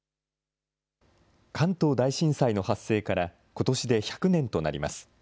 関東大震災の発生から、ことしで１００年となります。